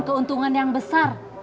keuntungan yang besar